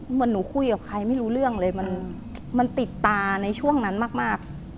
เหมือนหนูคุยกับใครไม่รู้เรื่องเลยมันติดตาในช่วงนั้นมาก